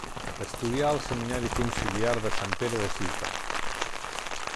Estudià al seminari conciliar de Sant Pere de Ciutat.